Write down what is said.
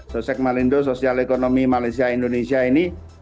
sosek malindo sosial ekonomi malaysia indonesia ini